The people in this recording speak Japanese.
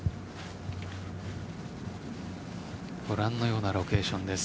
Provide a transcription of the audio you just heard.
ご覧のようなロケーションです。